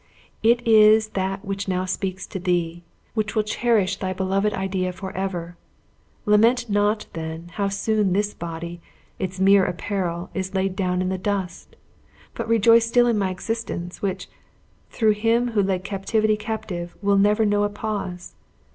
It is that which now speaks to thee which will cherish thy beloved idea forever. Lament not, then, how soon this body, its mere apparel, is laid down in the dust. But rejoice still in my existence, which, through Him who 'led captivity captive,' will never know a pause?